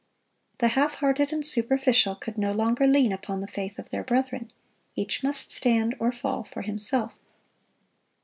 The half hearted and superficial could no longer lean upon the faith of their brethren. Each must stand or fall for himself.